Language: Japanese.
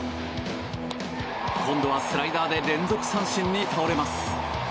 今度はスライダーで連続三振に倒れます。